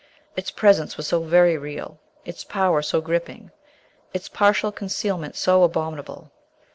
Its presence was so very real, its power so gripping, its partial concealment so abominable.